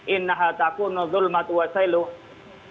innaha takunul dhulmatu wa sayluhu